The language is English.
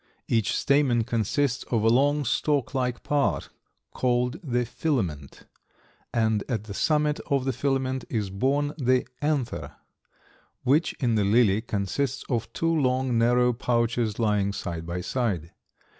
Each stamen consists of a long stalk like part, called the filament, and at the summit of the filament is borne the anther, which in the lily consists of two long, narrow pouches lying side by side.